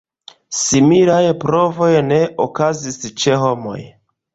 Similaj provoj ne okazis ĉe homoj.